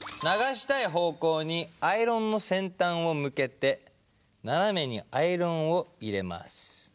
流したい方向にアイロンの先端を向けてナナメにアイロンを入れます。